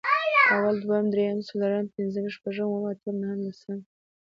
اول، دويم، درېيم، څلورم، پنځم، شپږم، اووم، اتم، نهم، لسم